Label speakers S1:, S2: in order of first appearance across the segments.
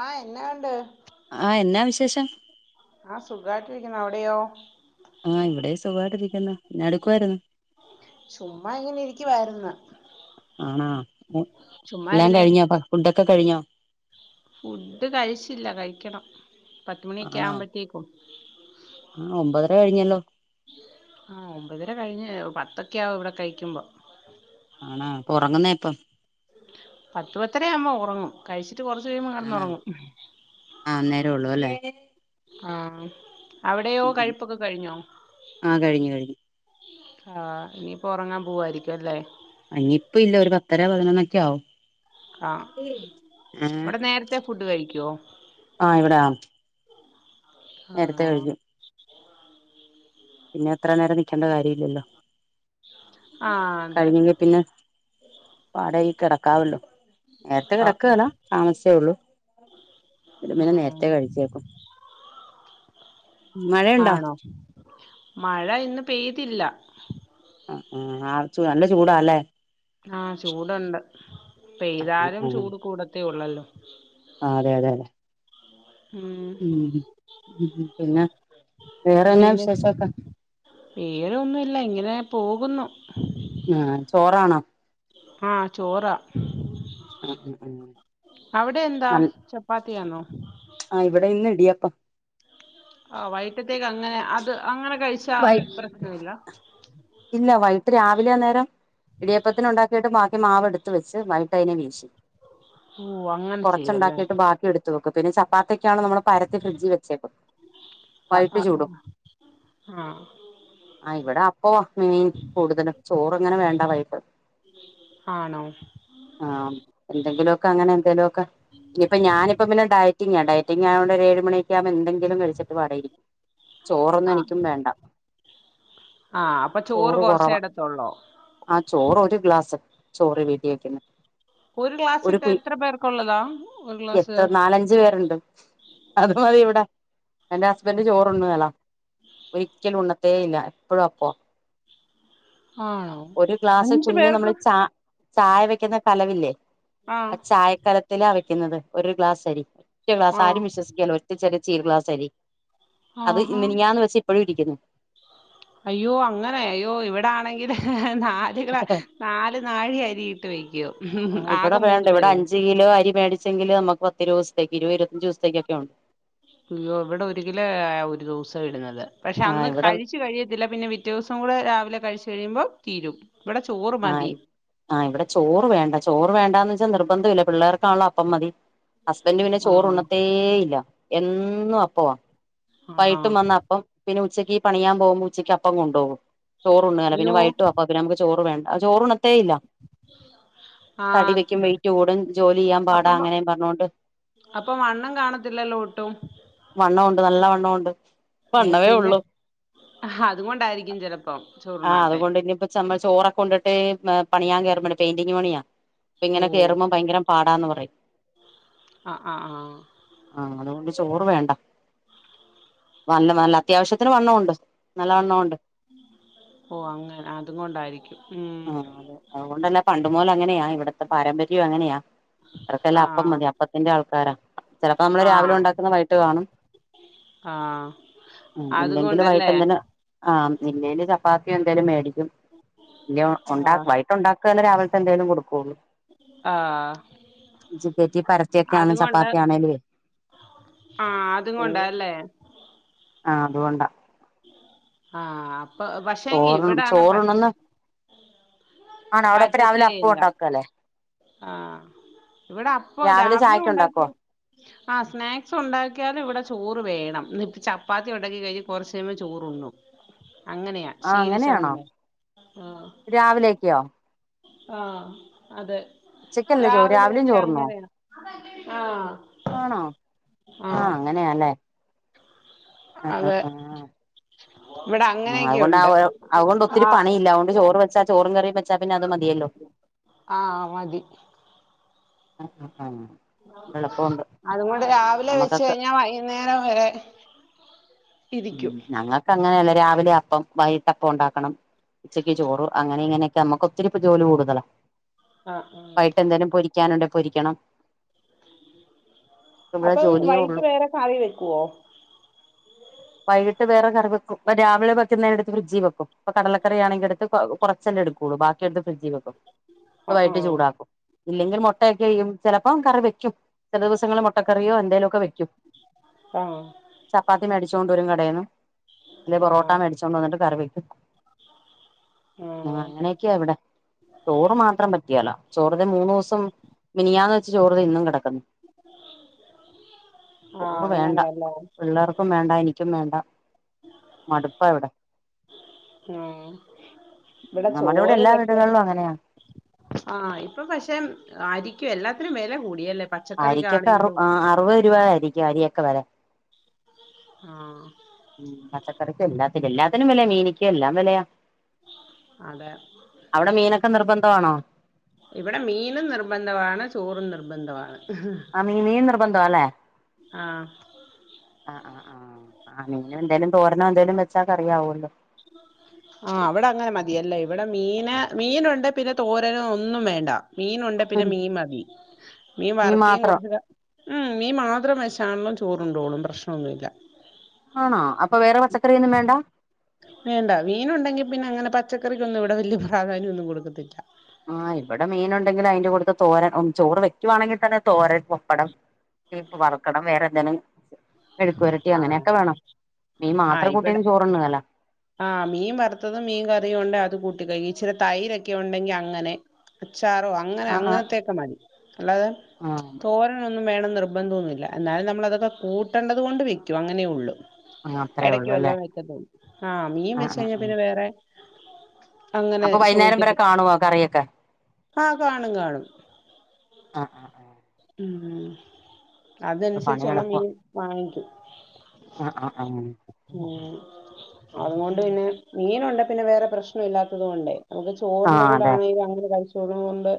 S1: ആഹ് എന്നാ വേണ്ട്
S2: ആഹ് എന്നാ വിശേഷം
S1: ആഹ് സുഖായിട്ടിരിക്കുന്നു അവിടെയോ
S2: ആഹ് ഇവിടെ സുഖായിട്ടിരിക്കുന്നു നടുക്കുയിരുന്നു
S1: ചുമ്മാ ഇങ്ങനെ ഇരിക്ക വാരുന്നു
S2: ആണാ എല്ലാം കഴിഞ്ഞോ ഫുഡൊക്കെ കഴിഞ്ഞോ
S1: ഫുഡ് കഴിച്ചില്ല കഴിക്കണം പത്തുമണിയൊക്കെ
S2: ആണോ
S1: ആവുമ്പോത്തേക്കും
S2: ഒമ്പതര കഴിഞ്ഞല്ലോ
S1: ആ ഒമ്പതിര കഴിഞ്ഞ് പത്തൊക്കെയ ആവും ഇവിടെ കഴിക്കുമ്പോ
S2: ആണ ഉറങ്ങുന്നേ എപ്പം
S1: പത്ത് പത്തരാവുമ്പോ ഉറങ്ങും കഴിച്ചിട്ട് കുറച്ച് കഴിയുമ്പോൾ കിടന്നുറങ്ങും
S2: അന്നേരള്ളൂ അല്ലേ
S1: ആ അവിടെയോ കഴുപ്പൊക്കെ കഴിഞ്ഞോ
S2: ആഹ് കഴിഞ്ഞു കഴിഞ്ഞു
S1: ആ ഇനിപ്പോ ഉറങ്ങാൻ പോവായിരിക്കും അല്ലേ
S2: ഇനി ഇപ്പല്ല ഒരു പത്തര പതിനൊന്നൊക്കെ ആവും
S1: ആ വിടെ നേരത്തെ ഫുഡ് കഴിക്കോ
S2: ആ ഇവിടെ നേരത്തെ
S1: ആണോ
S2: കഴിക്കും പിന്നെത്ര നേരം നിൽക്കേണ്ട കാര്യ ഇല്ലല്ലോ
S1: ആ അതെ
S2: പിന്നെ പാടേയ് കിടക്കാവല്ലോ നേരത്തെ
S1: ആഹ്
S2: കിടക്കേല താമസിച്ചേള്ളു ഇവരു പിന്നെ
S1: ആഹ്
S2: നേരത്തെ കഴിച്ചേക്കും മഴയുണ്ടോ
S1: ആണോ മഴ ഇന്ന് പെയ്തില്ല
S2: അ ആ [unintelligible] നല്ല ചൂടാല്ലേ
S1: ആ ചൂടുണ്ട്
S2: ആഹ്
S1: പെയ്താലും
S2: ആഹ്
S1: ചൂട് കൂടത്തേ ഉള്ളല്ലോ
S2: ആ അതെ അതെ അതെ
S1: ഉം
S2: മ് മ് പിന്നെ വേറെന്നാ
S1: പിന്നെ
S2: വിശേഷൊക്കെ
S1: വേറൊന്നുല്ല ഇങ്ങനെ പോകുന്നു
S2: മ് ചോറാണോ
S1: ആ ചോറാ
S2: ആ ആ
S1: അവിടെ എന്താ
S2: നൽ
S1: ചപ്പാത്തിയാണോ
S2: ആ ഇവിടെ ഇന്ന് ഇടിയപ്പം
S1: ആ വൈട്ടത്തേക്കങ്ങനെ അത് അങ്ങനെ കഴിച്ച
S2: വൈ
S1: പ്രശ്ന ഇല്ല
S2: ഇല്ല വൈട്ട് രാവിലെ അന്നേരം ഇടിയപ്പത്തിനുണ്ടാക്കീട്ട് ബാക്കി മാവ്ടുത്ത് വെച്ച് വൈകിട്ടയ്ന് വീശി
S1: ഓഹ് അങ്ങനെ ചെയ്യുവല്ലേ
S2: കൊറച്ചുണ്ടാക്കിട്ട് ബാക്കി എടുത്ത് എടുത്ത് വെക്കും പിന്നെ ചപ്പാത്തിക്കാണേ നമ്മൾ പരത്തി ഫ്രിഡ്ജിൽ വെച്ചേക്കും വൈട്ട് ചൂടും
S1: ആ
S2: ആ ഇവിടെ അപ്പോ മീൻ കൂടുതലും ചോറങ്ങനെ വേണ്ട വൈകിട്ട്
S1: ആണോ
S2: ആ എന്തെങ്കിലുമൊക്കെങ്ങനെ എന്തേലൊക്കെ ഇപ്പ ഞാനപ്പ പിന്നെ ഡയറ്റിങ് ആ ഡറ്റിങ് ആയോണ്ട് ഏഴ് മണി എന്തെങ്കിലും കഴിച്ചിട്ട് പാടെയിരിക്കും ചോറൊന്നും എനിക്കും വേണ്ട
S1: ആ
S2: ചോറ് കുറവാ ആ ചോറ് ഒരു ഗ്ലാസ് ചോറ് വീട്ടി വെക്ക്ന്നെ
S1: ഗ്ലാസ്
S2: ഒരു
S1: ഇട്ട്
S2: കു
S1: എത്ര പേർക്കുള്ളതാ ഒരു ഗ്ലാസ്
S2: എത്ര നാലഞ്ച് പേരുണ്ട് അത് മതി ഇവിടെ എന്റെ ഹസ്ബന്ഡ് ചോറുണ്ണേല്ല വെയ് ഉണ്ണത്തേ ഇല്ല എപ്പഴും അപ്പം
S1: ആണോ
S2: ഒരു ഗ്ലാസ്
S1: അഞ്ചു
S2: കുഞ്ഞ് നമ്മൾ
S1: പേർക്ക്
S2: ച ചായ വെക്ക്ന്ന കലവില്ലേ
S1: ആഹ്
S2: ആ ചായക്കല ത്തിലാ വെക്കുന്നത് ഒരു ഗ്ലാസ് അരി ഒറ്റ ഗ്ലാസ്
S1: ആഹ്
S2: ആരും വിശ്വസിക്കേല്ല ഒറ്റ ചെറു സ്റ്റീൽ ഗ്ലാസ് അരി. അത്
S1: ആഹാ
S2: മിനിഞാന്ന് വെച്ച ഇപ്പഴും ഇരിക്കുന്നു.
S1: അയ്യോ അങ്ങനെ അയ്യോ ഇവിടാണെങ്കില് നാ അതികള നാല് നാഴി അരിയിട്ട് വെക്കും ആക മൂന്നു പേരും.
S2: ഒരു കിലോ അരി മേടി ച്ചെങ്കില് നമക്ക് പത്തിരുപതുസത്തേക്ക് ഇരുപത് ഇരുപത്തഞ്ചിസത്തേക്കക്കെ ഒ
S1: അയ്യോ ഇവിടെ ഒരു കിലോയ ഒരു ദിവസം ഇടുന്നത് പക്ഷെ
S2: ആ
S1: അന്ന്
S2: ഇവിടെ
S1: കഴിച്ചു കഴിയ ല്ല പിന്നെ പിറ്റെസം കൂടെ രാവിലെ കഴിച്ചു കഴിയുമ്പോ തീരും ഇവിടെ ചോറ്
S2: ആ
S1: മതി.
S2: ആഹ് ഇവിടെ ചോറ് വേണ്ട ചോറ് വേണ്ടാന്ന് വെച്ചാ നിർബന്ധല്ല പിള്ളേർക്കാണല് അപ്പം മതി. ഹസ്ബന്റ് പിന്നെ ചോറ്
S1: ആഹ്
S2: ഉണ്ണത്തേ ഇല്ല എന്നും അപ്പവാ.
S1: ആഹാ
S2: വൈട്ടും വന്ന അപ്പം പിന്നെ ഉച്ചയ്ക്ക് പണിയാൻ പോകുമ്പോ ഉച്ചയ്ക്ക് അപ്പം കൊണ്ടോവും ചോറുണ്ണേല. പിന്ന
S1: അയ്യോ
S2: വൈട്ടും അ അപ്പ. നമുക്ക് ചോറ് വേണ്ട ചോറുണ്ണത്തേ ഇല്ല. തടി
S1: ആഹ്
S2: വെക്കും വെയിറ്റ് കൂടും ജോലി ചെയ്യാൻ പാടാ അങ്ങനെയും പറഞ്ഞോണ്ട്.
S1: അപ്പൊ വണ്ണം കാണത്തില്ലല്ലോ ഒട്ടും.
S2: വണ്ണോണ്ട് നല്ല വണ്ണോണ്ട്.
S1: ഏഹ് പിന്നെ അതുകൊണ്ടായിരിക്കും ചെലപ്പം ചോറുണ്ണാത്തെ.
S2: സംഭവം ചോറൊക്കെണ്ടിട്ട് പണിയാൻ കേയറ്പ പെയിന്റിംങ് പണിയാ. ഇപ്പൊങ്ങനെ
S1: ഓഹ്
S2: കേറുമ്പോ ഭയങ്കര പാടാന്ന് പറയും.
S1: ആഹ് ആഹ് ആഹ്
S2: ആഹ് അതുകൊണ്ട് ചോറ് വേണ്ട. വണ്ണ നല്ല അത്യാവശ്യത്തിന് വണ്ണവൊണ്ട് നല്ല വണ്ണവുണ്ട്.
S1: ഓ അങ്ങനെ അതു കൊണ്ടായിരിക്കും. ഉം
S2: അഹ് അതുകൊണ്ടല്ല പണ്ടുമോല അങ്ങനെയാ ഇവിടുത്തെ പാരമ്പര്യം അങ്ങനെയാ. അവർക്കെല്ലാം അപ്പം
S1: ആഹ്
S2: മതി അപ്പത്തിന്റെ ആൾക്കാരാ ചെലപ്പോ നമ്മള് രാവിലെ
S1: ആഹ്
S2: ഉണ്ടാക്കുന്ന വൈകിട്ട് കാണും.
S1: ആഹ്
S2: ആഹ് ഇല്ലെങ്കിലും വൈട്ട്
S1: അതുകൊണ്ടല്ലേ
S2: എന്തേന് ആഹ് ഇല്ലേല് ചപ്പാത്തിയൊ എന്തേലും മേടിക്കും. ഇല്ല
S1: ആഹ്
S2: ഉണ്ടാക്ക വൈട്ട് ഉണ്ടാക്കുകല്ലേ രാവിലത്തെ എന്തേലും കൊടുക്കുള്ളൂ.
S1: ആഹ്
S2: ജ് പേറ്റി പരത്തിയൊക്കെയാണ്
S1: അതുകൊണ്ട്
S2: ചപ്പാത്തിയാണേ ലെ.
S1: ആഹ് അതും കൊണ്ടല്ലേ.
S2: ആഹ് അതുകൊണ്ടാ.
S1: ആഹ് അപ്പൊ പക്ഷെങ്കി
S2: ചോറ്
S1: ഇവിടാണ് പറ്റ
S2: ചോറ്ണന്ന് ആണ അവിടെപ്പ
S1: പറ്റത്തേ
S2: രാവിലെ അപ്പ
S1: ഇല്ല
S2: ഉണ്ടാക്കല്ലേ.
S1: ആഹ് ഇവിടെ അപ്പ രാവിലെ
S2: ചായക്ക് ഉണ്ടാക്കുവോ
S1: ഉണ്ടാക്കിയ ആ സ്നാക്സ് ഉണ്ടാക്കിയാലും ഇവിടെ ചോറ് വേണം. ചപ്പാത്തി ഉണ്ടാക്കി കഴിഞ് കുറച്ച്. റച്ചഴിയുമ്പോ ചോറുണ്ണും അങ്ങനെയാ.
S2: ആ
S1: ശീലിച്ച
S2: അങ്ങനെയാണോ
S1: കൊണ്ടേ ആഹ്
S2: രാവിലെയക്കെയോ.
S1: ആഹ് അതെ.
S2: ഉച്ചക്കല്ലേ ചോറ് രാവിലെയും
S1: രാവിലെയൊക്കെ
S2: ചോറുണ്ണുവോ
S1: അങ്ങനെയ ആഹ്.
S2: ആണോ ആഹ് അങ്ങനെയല്ലേ.
S1: അതെ. ഇവിടെ
S2: ആ അതുകൊണ്ട്
S1: അങ്ങനെയൊക്കെയുണ്ട്
S2: അതുകൊണ്ട് ഒത്തിരി
S1: ആഹ്
S2: പണില്ല അതൊണ്ട് ചോറ് വെച്ചാ ചോറും കറിയും വെച്ചാ പിന്നെ അത് മതിയല്ലോ.
S1: ആ മതി.
S2: അ, അ, അ
S1: അത് കൊണ്ട് രാവിലെ വെച്ച്
S2: നമ്മുക്കൊക്കെ
S1: കഴിഞ്ഞാ വൈകുന്നേരം വരെ. ഇരിക്കും
S2: ഉം ഞങ്ങക്ക് അങ്ങനെയല്ല രാവിലെ അപ്പം വൈകിട്ടപ്പം ഉണ്ടാക്കണം ഉച്ചക്ക് ചോറ് അങ്ങനെ ഇങ്ങനെ. നമ്മക്ക് ഒത്തിരി ജോലി കൂടുതല
S1: ആഹ് ആഹ്
S2: വൈട്ട് എന്തേും പൊ പൊരിക്കാനുണ്ടെ പൊരിക്കണം ഇവിടെ
S1: അപ്പം
S2: ജോലിയേ
S1: വൈകിട്ട്
S2: ഉള്ളൂ
S1: വേറെ കറി വെക്കുമോ
S2: വൈകിട്ട് വേറെ കറി വെക്കും രാവിലെ വെക്കുന്ന എടുത്ത് ഫ്രിഡ്ജ വെക്കും ഇപ്പ കടല കറി ആണെങ്കിൽ എടുത്ത് കുറച്ചല്ലെ എടുക്കുള്ളൂ ബാക്കി എടുത്ത് ഫ്രിഡ്ജിൽ വെക്കും എന്നിട്ട് വൈകിട്ട്
S1: ആഹ്
S2: ചൂടാക്കും ഇല്ലെങ്കിൽ ഒരു മുട്ടയൊക്കെ ചെയ്യും ചിലപ്പം കറി വെക്കും ചില ദിവസങ്ങള്ൾ മുട്ടക്കറിയോ എന്തേലു ഒക്കെ വെക്കും
S1: ആഹ് ആഹ്
S2: ചപ്പാത്തി മേടിച്ചു കൊണ്ടുവരും കടയിൽ നിന്ന് അല്ല പൊറോട്ട
S1: ആഹ്
S2: മേടിച്ചോണ്ട് വന്നിട്ട് കറിവെക്കും ആഹ് അങ്ങനെയൊക്കെയാ ഇവിടെ ചോറ് മാത്രം പറ്റിയേല ചോറത് മൂന്നു ദിവസം മിനിഞ്ഞാന്ന് വെച്ച ചോറ് ഇന്നും കിടക്കുന്നു
S1: ആഹ്
S2: ചോറ് വേണ്ട
S1: അങ്ങനെയല്ലേ
S2: പിള്ളേർക്കും വേണ്ട എനിക്കും വേണ്ട മടുപ്പ ഇവിടെ
S1: ആഹ്
S2: നമ്മുടെ ഇവിടെ
S1: ചോറ്
S2: എല്ലാ
S1: പക്ഷെ
S2: വീടുകളിലും അങ്ങനെയാ
S1: ആഹ് ഇപ്പൊ പക്ഷെ അരിക്കും എല്ലാത്തിനും വില കൂടിയല്ലേ
S2: അരിക്കൊക്കെ അറു
S1: പച്ചക്കറിക്കാണേലും
S2: അറുപത് രൂപ അരിയൊക്കെ വില
S1: ആഹ്
S2: ഉം പച്ചക്കറിക്കും എല്ലാത്തിനും എല്ലാത്തിനും വിലയാ മീനികും എല്ലാം വിലയാ
S1: അതെ
S2: അവിടെ മീനൊക്കെ നിർബന്ധമാണോ
S1: ഇവിടെ മീനും നിർബന്ധമാണ് ചോറും നിർബന്ധമാണ്
S2: ആഹ് മീൻ നിർബന്ധം അല്ലെ
S1: ആഹ്
S2: ആഹ് ആഹ് ആഹ് ആഹ് മീനും എന്തേലും തോരനോ എന്തേലും വെച്ചാ കറി ആവൂല്ലോ
S1: ആഹ് അവിടെ അങ്ങനെ മതിയല്ലോ ഇവിടെ മീന് മീനുണ്ട് പിന്നെ തോരനും ഒന്നും വേണ്ട മീൻ ഉണ്ടെ പിന്നെ മീൻ മതി മീൻ വറക്കുക്കയും കുറച്ച് ഉം മീൻ മാത്രം മതി അണ്ണൻ ചോറണ്ടോളും പ്രശ്നമൊന്നുമില്ല
S2: ആണോ അപ്പൊ വേറെ പച്ചക്കറി ഒന്നും വേണ്ട
S1: വേണ്ട മീൻ ഉണ്ടെങ്കിൽ പിന്നെ അങ്ങനെ പച്ചക്കറിക്കൊന്നും ഇവിടെ വലിയ പ്രാധാന്യം ഒന്നും കൊടുക്കത്തില്ല
S2: ആഹ് ഇവിടെ മീൻ ഉണ്ടെങ്കിൽ അതിന്റെ കൂടുത്ത തോരൻ ചോറ് വെക്കുവാണെങ്കിൽ തന്നെ തോരൻ പപ്പടം വറക്കണം വേറെന്തെലും മെഴുക്കുവരട്ടി അങ്ങനെയൊക്കെ
S1: ആഹ്
S2: വേണം മീൻ
S1: ആഹ്
S2: മാത്രം കൂട്ടി
S1: ഇവിടെ
S2: ചോറ് ഉണ്ണ് വേല
S1: ആഹ് മീൻ വറുത്തതും മീൻ കറിയൊണ്ട് അത് കൂട്ടി കഴിക്കും ഇച്ചിരി തൈരൊക്കെ ഉണ്ടെങ്കി അങ്ങനെ അച്ചാറോ അങ്ങനെ
S2: ആഹ് ആഹ്
S1: അങ്ങനത്തെയൊക്കെ മതി അല്ലാതെ
S2: ആഹ്
S1: തോര തോരൻ ഒന്നും വേണം നിർബന്ധ ഒന്നുമില്ല എന്നാലും നമ്മൾ അതൊക്കെ കൂട്ടണ്ടതുകൊണ്ട് വെക്കും അങ്ങനേ ഉള്ളൂ
S2: ആഹ് അത്രേ
S1: ഇടയ്ക്ക
S2: ഉള്ളൂ അല്ലേ
S1: വെല്ലൊം വെക്കത്തുള്ളൂ ആഹ് മീൻ വെച്ച്
S2: ആഹ്
S1: കഴിഞ്ഞാ
S2: ആഹ്
S1: പിന്നെ വേറെ അങ്ങനെ
S2: അപ്പൊ വൈകുന്നേരം വരെ
S1: ചോദിക്കത്തി
S2: കാണുവോ കറിയൊക്കെ
S1: ആഹ് കാണും കാണും
S2: ആഹ് ആഹ്
S1: ഉം
S2: അപ്പൊ പണി
S1: അതനുസരിച്ചുള്ള
S2: എളുപ്പവാ
S1: മീൻ വാങ്ങിക്കു
S2: ആഹ് ആഹ് ആഹ്
S1: ഉം അതുകൊണ്ട് പിന്നെ മീനുണ്ടെ പിന്നെ വേറെ പ്രശ്ന ഇല്ലാത്തതുകൊണ്ടേ ന ചോറിന്റെ
S2: ആഹ്
S1: കൂടെ
S2: അതെ
S1: ആണെങ്കിൽ അങ്ങനെ കഴിച്ചോടുന്നത് കൊണ്ട്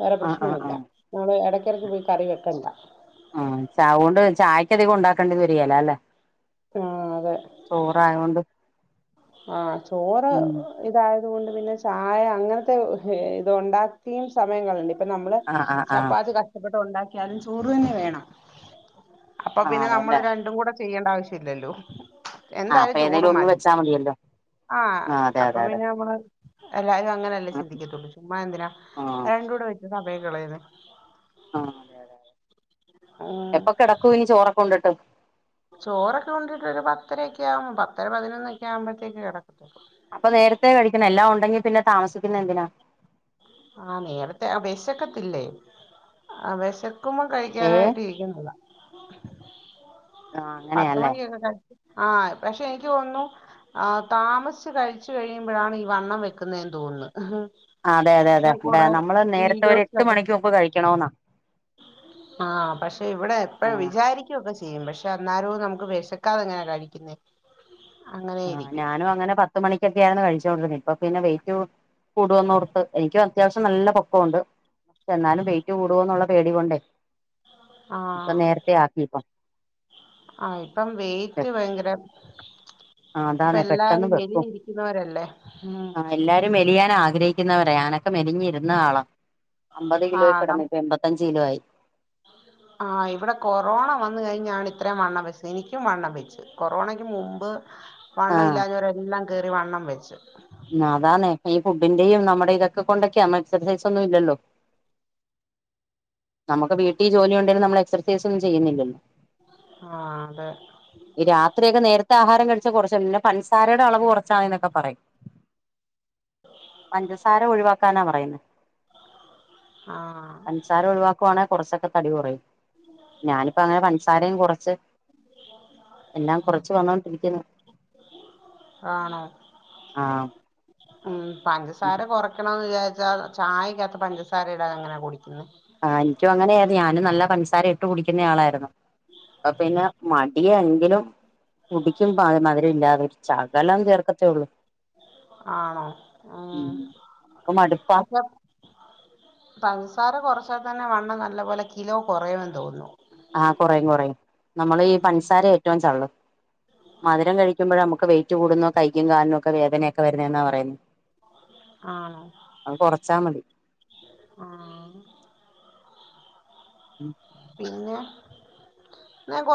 S1: വേറെ
S2: ആഹ്
S1: പ്രശ്നം
S2: ആഹ് ആഹ്
S1: ഒന്നുല ഇടക്ക് പോയി കറി വെക്കണ്ട
S2: ആഹ് അത്കൊണ്ട് ചായക്ക് അധികം ഉണ്ടാക്കേണ്ടി വരികേല അല്ലേ
S1: ആഹ് അതെ
S2: ചോറ് ആയത്കൊണ്ട്
S1: ആഹ് ചോറ് ഇതായതുകൊണ്ട് പിന്നെ ചായ അങ്ങനത്തെ ഇത് ഉണ്ടാക്കിയും സമയം കളയണ്ട അപ്പൊ നമ്മള്
S2: ആഹ് ആഹ് ആഹ്
S1: ചപ്പാത്തി കഷ്ടപ്പെട്ട് ഉണ്ടാക്കിയാലും ചോറ് തന്നെ വേണം അപ്പൊ
S2: ആഹ്
S1: പിന്നെ നമ്മള്
S2: അതെല്ലേ
S1: രണ്ടും കൂടെ ചെയ്യേണ്ട ആവശ്യ ഇല്ലല്ലോ എന്തായാലും ചോറ് മതി
S2: അ മതിയല്ലോ
S1: ആഹ്
S2: അതെ
S1: അപ്പൊ
S2: അതെ അതെ
S1: പിന്നെ നമ്മള് എല്ലാരും അങ്ങന ല്ലേ
S2: ആഹ്
S1: ചിന്തിക്കതുള്ളൂ ചുമ്മാ എന്തിനാ
S2: ആഹ്
S1: രണ്ട് കൂടെ വെച്ച് സമയം കളയുന്നെ
S2: ആഹ് അതെതെതെ
S1: ഉം
S2: എപ്പൊ കെടക്കും ഇനി ചോറൊക്കെ ഉണ്ടിട്ട്
S1: ചോറൊക്കെ ഉണ്ടിട്ട് ഒരു പത്തര ഒക്കെ ആകുമ്പോ പത്തര പതിനൊന്നൊക്കെ ആവുമ്പഴത്തേക്ക് കിടക്കും
S2: അപ്പൊ നേരത്തെ കഴിക്കണം എല്ലാം ഉണ്ടെങ്കി പിന്നെ താമസിക്കുന്ന എന്തിനാ
S1: ആഹ് നേരത്തെ വെശക്കത്തില്ലേ ആഹ് വെശക്കുമ്പോം
S2: ഏ
S1: കഴിക്കാനായിട്ട് ഇരിക്കുന്നതാ
S2: ആ
S1: പത്ത്
S2: അങ്ങനെയല്ലേ
S1: മണിയൊക്കെ കഴിച്ച് ആഹ് പക്ഷേ എനിക്ക് തോന്നുന്നു ആഹ് താമസിച്ച് കഴിച്ചു കഴിയുമ്പഴാണ് ഈ വണ്ണം വെക്കുന്നേെന്ന് തോന്നുന്നു
S2: അതെ അതെ അതെ
S1: ഞാൻ
S2: അതെ
S1: കൊറെ
S2: നമ്മള് നേരത്തെ ഒരു എട്ട്
S1: വീഡിയോസിലൊക്കെ
S2: മണിക്ക് മുമ്പ് കഴിക്കണോ എന്നാ
S1: ആഹ് പക്ഷേ ഇവിടെ
S2: ആ
S1: എപ്പോഴും വിചാരി ക്കു ഒക്കെ ചെയ്യും പക്ഷ അന്നാരും നമുക്ക് വിശക്കാതെങ്ങനെയാണ് കഴിക്കുന്നുന്നത്
S2: ആഹ് ഞാനും അങ്ങനെ പത്ത് മണിക്കൊക്കേയാണ് കഴിച്ചുകോണ്ടിരുന്നത് ഇപ്പൊ പിന്നെ വെയിറ്റ് കൂ കൂടുവൊന്ന് ഓർത് എനിക്കും അത്യാവശ്യം നല്ല പൊക്കുണ്ട് പക്ഷേ എന്നാലും വെയിറ്റ് കൂടുോന്നുള്ള പേടി കൊണ്ടേ ഇപ്പൊ
S1: ആഹ്
S2: നേരത്തെ ആക്കിപ്പം
S1: ആഹ് ഇപ്പം വെയിറ്റ് ഭയങ്കര
S2: ആ
S1: ഇപ്പ
S2: അതാന്നെ
S1: എല്ലാരും
S2: പെട്ടെന്ന് വെക്കും
S1: മെലിഞ്ഞിരിക്കുന്നവരല്ലേ ആഹ്
S2: ആ എല്ലാരും മെലിയാൻ ആഗ്രഹിക്കുന്നവരാ ഞാനൊക്കെ മെലിഞ്ഞിരുന്ന ആളാ അമ്പത് കിലോ
S1: ആഹ് നം
S2: കടന്ന് ഇപ്പോ എന്പ ത്തഞ്ച് കിലോ ആയി
S1: ആഹ് ഇവിടെ കൊറോണ വന്ന് കഴിഞ്ഞാണ് ഇത്രയും വണ്ണം വെച്ചത് എനിക്കും വണ്ണം വെച്ചു കൊറോണയ്ക്ക് മുമ്പ്
S2: ആ
S1: വണ്ണം ഇല്ലാതവരെ എല്ലാം കേറി വണ്ണം വെച്ച്
S2: അതാണ് ഈ ഫുഡിന്റെയും നമ്മുടെ ഇതൊക്കെ കൊണ്ടൊക്കെയാണ് എക്സസൈസ് ഒന്നും ഇല്ലല്ലോ നമുക്ക് വീട്ടിൽ ജോലി ഉണ്ടെങ്കിലും നമ്മൾ എക്സൈസ് ഒന്നും ചെയ്യുന്നില്ലലോ
S1: ആഹ് അതെ
S2: ഈ രാത്രി ഒക്കെ നേരത്തെ ആഹാരം കഴിച്ചാ കുറച്ച് പഞ്ചസാരയുടെ അളവ് കുറച്ചാമതി എന്നൊക്കെ പറയും പഞ്ചസാര ഒഴിവാക്കാനാ പറയുന്നത്
S1: ആഹ്
S2: പഞ്ചസാര ഒഴിവാ ക്കുവാണേ കുറച്ചൊക്കെ തടി കൊറയും ഞാനിപ്പോ അങ്ങനെ പൻസാരയും കൊറച്ച് എല്ലാം കൊറച്ച് വന്നോണ്ടിരിക്കുന്നു
S1: ആണോ
S2: ആഹ്
S1: ഉം പഞ്ചസാര കൊറ ക്കണന്ന് വിചാരിച്ചാ ചായക്കകത്ത് പഞ്ചസാര ഇടാതെ എങ്ങനാ കുടിക്കുന്നത്
S2: ആഹ് എനിക്കും അങ്ങനെയരുന്നു ഞാനും നല്ല പഞ്സാര ഇട്ടു കുടിക്കുന്ന ആളായിരുന്നു അപ്പൊ പിന്നെ മടിയാ എങ്കിലും കുടിക്കും [unintelligible] മധുരല്ലാതെ ഒരു ചകലം ചേർക്കത്തേ ഉള്ളൂ
S1: ആണോ ആഹ്
S2: ഉം അപ്പൊ മടുപ്പാ
S1: അപ്പോ പൻസാര കൊറച്ചാൽ തന്നെ വണ്ണം നല്ല പോലെ കിലോ കുറയെന്ന് തോന്നുന്നു
S2: ആഹ് കുറയും കുറയും നമ്മള് ഈ
S1: ഉം
S2: പൻസാര ഏറ്റവും ചള്ള് മധുരം കഴിക്കുമ്പഴ നമുക്ക് വെയിറ്റ് കൂടുന്നതും കയ്ക്കും കാലിന് ഒക്കെ വേദനയക്കെ വരുന്നേ എന്നാ പറയുന്നേ
S1: ആണോ
S2: കൊറച്ചാ മതി
S1: ആഹ് പിന്നെ എന്നഞാൻ കോർ